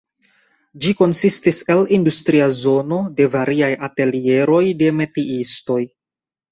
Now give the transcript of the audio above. Ĝi konsistis el industria zono de variaj atelieroj de metiistoj.